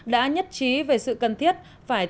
đã nhất trí về sự cần thiết phải